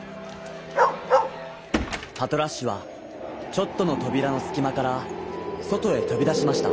パトラッシュはちょっとのとびらのすきまからそとへとびだしました。